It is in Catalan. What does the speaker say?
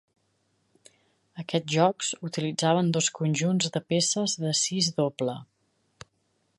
Aquests jocs utilitzaven dos conjunts de peces de "sis doble".